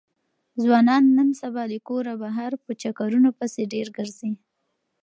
ځوانان نن سبا له کوره بهر په چکرونو پسې ډېر ګرځي.